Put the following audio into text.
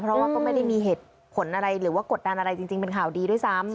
เพราะว่าก็ไม่ได้มีเหตุผลอะไรหรือว่ากดดันอะไรจริงเป็นข่าวดีด้วยซ้ำ